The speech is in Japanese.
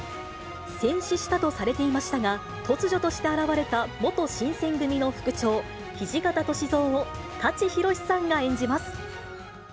戦死したとされていましたが、突如として現れた元新選組の副長、土方歳三を舘ひろしさんが演じます。